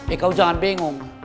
eh kau jangan bengong